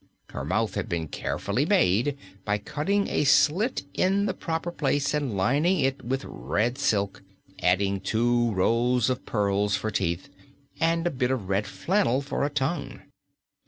Her mouth had been carefully made by cutting a slit in the proper place and lining it with red silk, adding two rows of pearls for teeth and a bit of red flannel for a tongue.